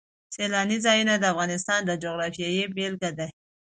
سیلانی ځایونه د افغانستان د جغرافیې بېلګه ده.